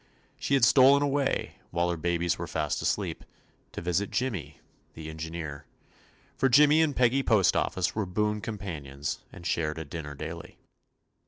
She had stolen away, 18 TOMMY POSTOFFICE while her babies were fast asleep, to visit Jimmy, the engineer; for Jimmy and Peggy Postoffice were boon com panions, and shared a dinner daily.